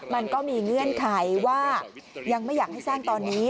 มันก็มีเงื่อนไขว่ายังไม่อยากให้สร้างตอนนี้